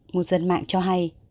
một dân mạng cho hay